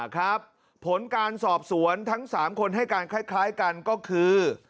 ครับผลการสอบสวนทั้ง๓คนให้การคล้ายกันก็คือ